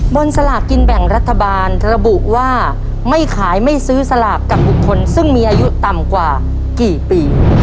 สลากกินแบ่งรัฐบาลระบุว่าไม่ขายไม่ซื้อสลากกับบุคคลซึ่งมีอายุต่ำกว่ากี่ปี